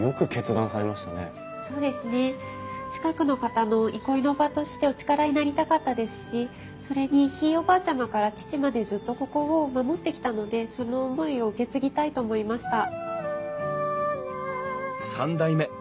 そうですね近くの方の憩いの場としてお力になりたかったですしそれにひいおばあちゃまから父までずっとここを守ってきたのでその思いを受け継ぎたいと思いました。